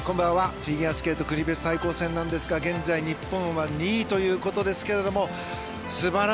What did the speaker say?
フィギュアスケート国別対抗戦ですが現在、日本は２位ということですけれども。